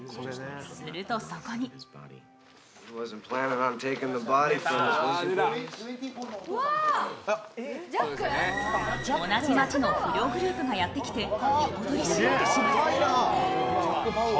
するとそこにするとそこに同じ街の不良グループがやって来て横取りしようとします。